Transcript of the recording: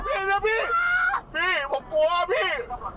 พี่พอเอาเข้าปันนะครับพี่